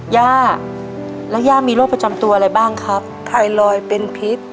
ย่าแล้วย่ามีโรคประจำตัวอะไรบ้างครับไทรอยด์เป็นพิษ